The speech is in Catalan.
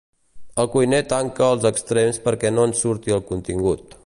El cuiner tanca els extrems perquè no en surti el contingut.